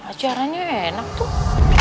ajarannya enak tuh